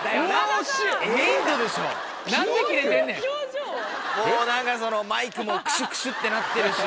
もう何かそのマイクもクシュクシュってなってるし。